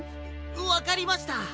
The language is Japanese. わかりました。